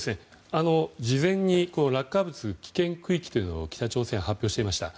事前に落下物危険区域というのを北朝鮮は発表していました。